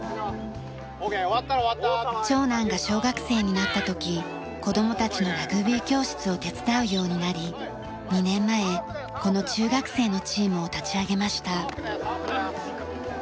長男が小学生になった時子供たちのラグビー教室を手伝うようになり２年前この中学生のチームを立ち上げました。